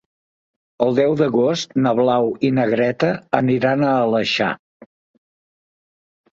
El deu d'agost na Blau i na Greta aniran a l'Aleixar.